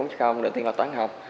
đầu tiên là toán học